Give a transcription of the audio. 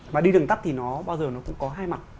mà đi đường tắt thì nó bao giờ nó cũng có hai mặt